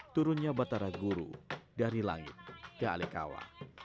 turunnya batara guru dari langit ke alikawa